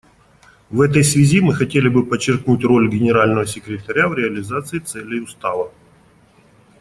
В этой связи мы хотели бы подчеркнуть роль Генерального секретаря в реализации целей Устава.